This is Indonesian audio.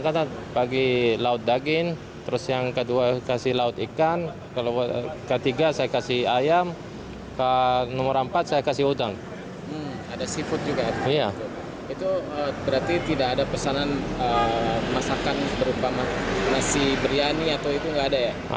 berarti tidak ada pesanan masakan berupa nasi biryani atau itu enggak ada ya